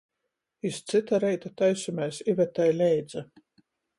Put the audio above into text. Iz cyta reita taisomēs Ivetai leidza.